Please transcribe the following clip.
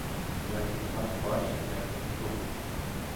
Яків так бачить, як ніхто.